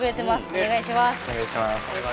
お願いします。